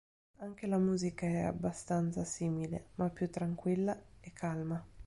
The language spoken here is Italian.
Anche la musica è abbastanza simile, ma più tranquilla e calma.